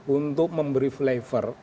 untuk memberi flavor